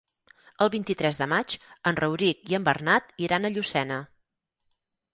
El vint-i-tres de maig en Rauric i en Bernat iran a Llucena.